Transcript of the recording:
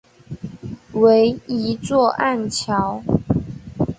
为一座暗礁。